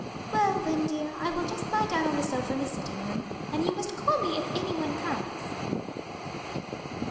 "Well, then, dear, I will just lie down on the sofa in the sitting room, and you must call me if any one comes."